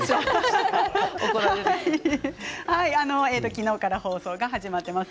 昨日から放送が始まっています。